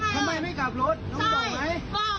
ทำไมต้องให้เกียรติงอย่างเคย